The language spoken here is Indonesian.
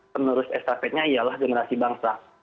penerus estafetnya ialah generasi bangsa